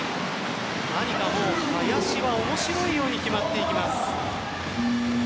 何か林は面白いように決まっていきます。